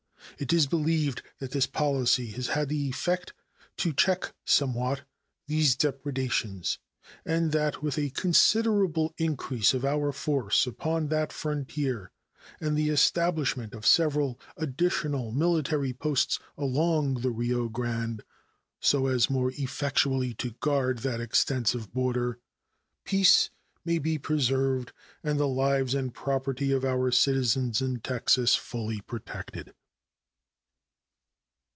It is believed that this policy has had the effect to check somewhat these depredations, and that with a considerable increase of our force upon that frontier and the establishment of several additional military posts along the Rio Grande, so as more effectually to guard that extensive border, peace may be preserved and the lives and property of our citizens in Texas fully protected.